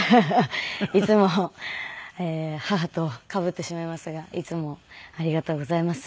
いつも母とかぶってしまいますがいつもありがとうございます。